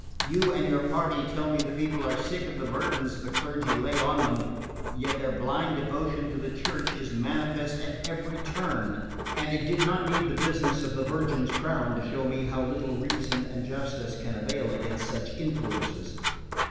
You and your party tell me the people are sick of the burdens the clergy lay on them yet their blind devotion to the Church is manifest at every turn, and it did not need the business of the Virgin's crown to show me how little reason and justice can avail against such influences."